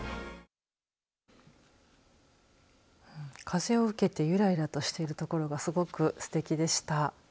風を受けてゆらゆらとしているところがすごくすてきでした。